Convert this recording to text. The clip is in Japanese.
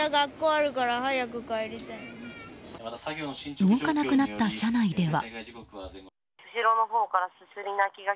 動かなくなった車内では。